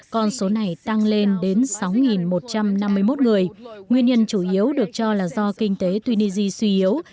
con số này tăng lên đến sáu một trăm năm mươi một người nguyên nhân chủ yếu được cho là do kinh tế tunisia suy yếu